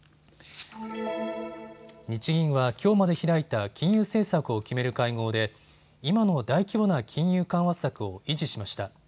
日銀はきょうまで開いた金融政策を決める会合で今の大規模な金融緩和策を維持しました。